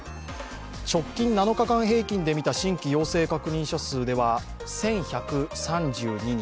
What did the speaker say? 直近７日間平均で見た新規陽性確認者数は１１３２人。